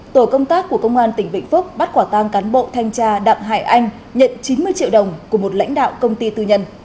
tổ công tác của công an tỉnh vĩnh phúc bắt quả tang cán bộ thanh tra đặng hải anh nhận chín mươi triệu đồng của một lãnh đạo công ty tư nhân